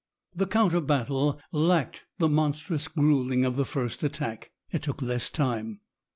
The counter battle lacked the monstrous gruelling of the first attack. It took less time.